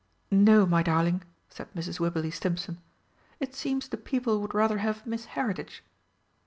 "No, my darling," said Mrs. Wibberley Stimpson, "it seems the people would rather have Miss Heritage."